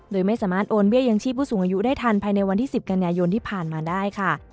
โดยไม่สามารถโอนเบี้ยยังชีพผู้สูงอายุได้ทันภายในวันที่๑๐กันยายนที่ผ่านมาได้ค่ะ